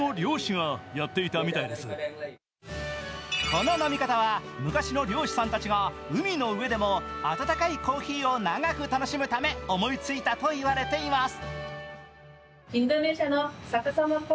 この飲み方は昔の漁師さんたちが海の上でも温かいコーヒーを長く楽しむため思いついたといいます。